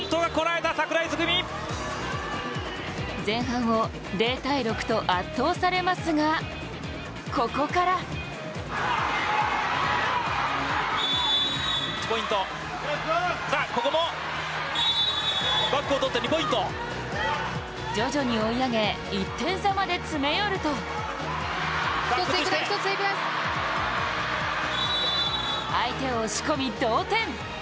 前半を０−６と圧倒されますがここから徐々に追い上げ、１点差まで詰め寄ると相手を押し込み同点。